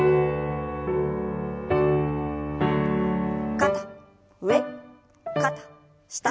肩上肩下。